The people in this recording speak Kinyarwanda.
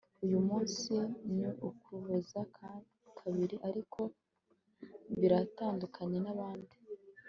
uyu munsi ni ukuboza kabiri ariko biratandukanye nabandi .